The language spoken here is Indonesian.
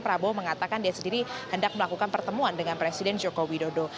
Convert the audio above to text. prabowo mengatakan dia sendiri hendak melakukan pertemuan dengan presiden joko widodo